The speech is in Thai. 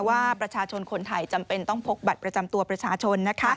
ว่าประชาชนคนไทยจำเป็นต้องพกบัตรประจำตัวประชาชน